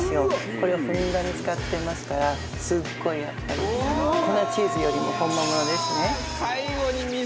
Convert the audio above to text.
これをふんだんに使ってますからすごいやっぱり粉チーズよりも本物ですね。